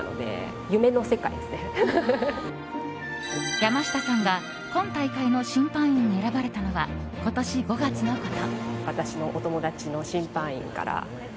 山下さんが今大会の審判員に選ばれたのは、今年５月のこと。